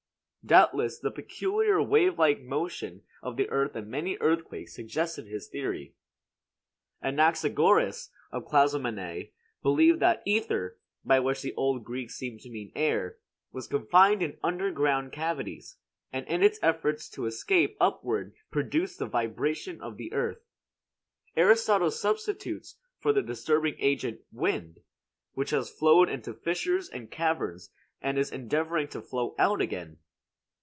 Doubtless the peculiar wave like motion of the earth in many earthquakes suggested his theory. Anaxagoras, of Clazomenae, believed that ether by which the old Greeks seem to mean air was confined in underground cavities, and in its efforts to escape upward produced the vibration of the earth. Aristotle substitutes for the disturbing agent wind, which has flowed into fissures and caverns and is endeavoring to flow out again.